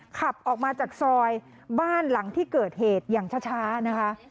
ขับออกมาจากซอยบ้านหลังที่เกิดเหตุอย่างช้านะคะ